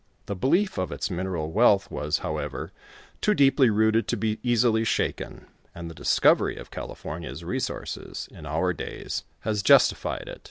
The belief of its mineial wealth wcs, however, too deei)ly rooted to be easily shaken, and the discovery of California's resources in our dnys has justi fied it.